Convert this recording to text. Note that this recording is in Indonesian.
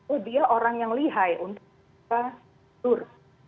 oh dia orang yang lihai untuk kita tur